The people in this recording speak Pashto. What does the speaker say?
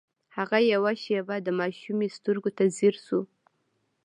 هغه يوه شېبه د ماشومې سترګو ته ځير شو.